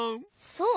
そう？